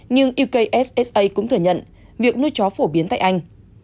nhưng ekssa cũng thừa nhận việc nuôi chó phổ biến tại anh